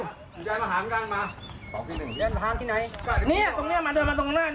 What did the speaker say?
เดินมาถามที่ไหนเนี่ยตรงเนี่ยมาตรงนั้นเนี่ย